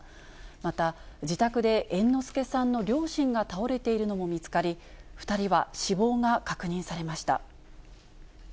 また、自宅で猿之助さんの両親が倒れているのも見つかり、２人は死亡が確認されました。